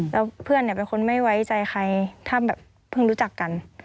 แล้วเพื่อนเป็นคนไม่ไว้ใจใครถ้าแบบเพิ่งรู้จักกัน